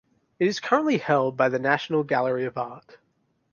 It is currently held by the National Gallery of Art.